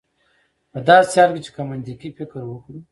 په داسې حال کې چې که منطقي فکر وکړو